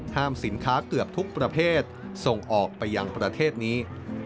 สินค้าเกือบทุกประเภทส่งออกไปยังประเทศนี้